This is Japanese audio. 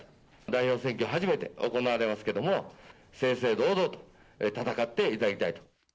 代表選挙、初めて行われますけども、正々堂々と戦っていただきたいと。